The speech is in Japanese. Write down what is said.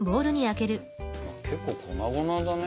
結構粉々だね。